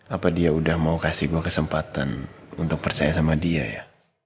apa dia udah mau kasih gue kesempatan untuk percaya sama dia ya